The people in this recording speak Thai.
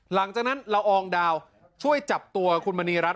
หลังจากนั้นละอองดาวช่วยจับตัวคุณมณีรัฐ